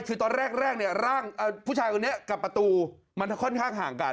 คือตอนแรกเนี่ยร่างผู้ชายคนนี้กับประตูมันค่อนข้างห่างกัน